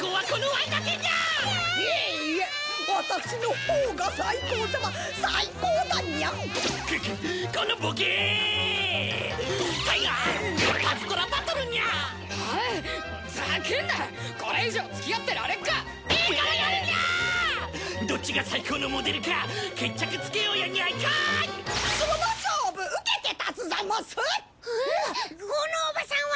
このおばさんは！